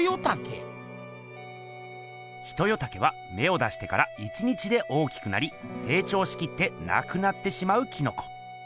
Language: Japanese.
ヒトヨタケはめを出してから１日で大きくなりせい長しきってなくなってしまうキノコ。